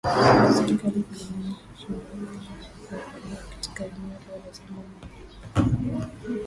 Serikali kuangalia uwezekano wa kuwarudisha katika eneo lao la zamani ambako limejengwa soko jipya